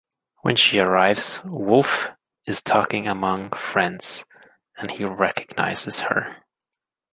When she arrives Wolfe is talking among friends and he recognizes her.